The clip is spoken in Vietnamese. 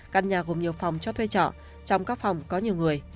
căn nhà gồm nhiều phòng cho thuê trọ trong các phòng có nhiều người